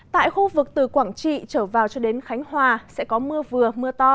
tại khu vực từ quảng trị trở vào cho đến khánh hòa sẽ có mưa vừa mưa to